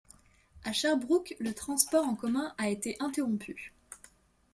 À Sherbrooke, le transport en commun a été interrompu.